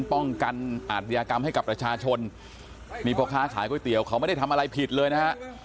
ป้องกันอาธิกรรมให้กับรัชชนมีปลอดภัยสายก๋วยเตี๋ยวเขาไม่ได้ทำอะไรผิดเลยนะฮะ